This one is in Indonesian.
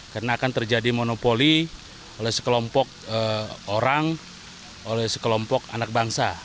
karena akan terjadi monopoli oleh sekelompok orang oleh sekelompok anak bangsa